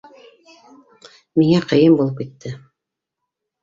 Миңә ҡыйын булып китте.